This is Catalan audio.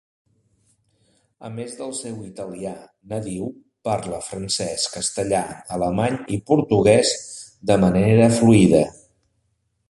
A més del seu italià nadiu, parla francès, castellà, alemany i portuguès de manera fluida.